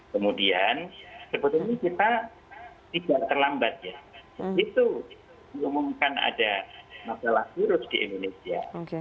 kemudian sebetulnya kita tidak terlambat ya itu mengumumkan ada masalah virus di indonesia